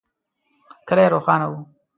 کلی روښانه و.